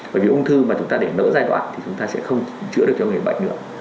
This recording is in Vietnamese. bởi vì ung thư mà chúng ta để đỡ giai đoạn thì chúng ta sẽ không chữa được cho người bệnh nữa